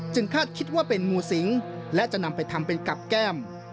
คาดคิดว่าเป็นงูสิงและจะนำไปทำเป็นกับแก้ม